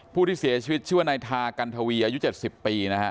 ผู้ที่เสียชีวิตชื่อว่านายทากันทวีอายุ๗๐ปีนะฮะ